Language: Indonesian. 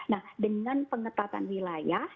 nah dengan pengetatan wilayah